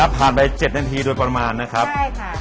พันไปเจ็ดนาทีโดยประมาณนะครับใช่ค่ะ